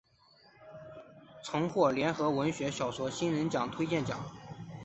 曾获联合文学小说新人奖推荐奖。